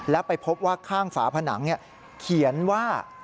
แล้วไปพบว่าข้างฝาผนังเขียนว่า